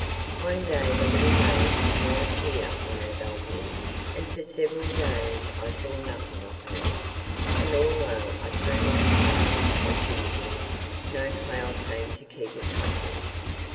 One day the little maid did not appear on her balcony, and for several days I saw nothing of her; and although I threw my flowers as usual, no flower came to keep it company.